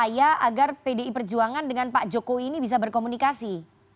supaya agar pdi perjuangan dengan pak jokowi ini bisa berkomunikasi